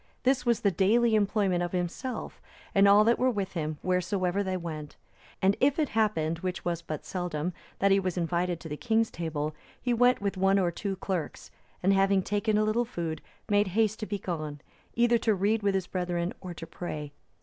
This was the daily employment of himself and all that were with him, wheresoever they went; and if it happened, which was but seldom, that he was invited to the king's table, he went with one or two clerks, and having taken a little food, made haste to be gone, either to read with his brethren or to pray.